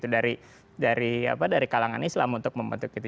dari kalangan islam untuk membentuk itu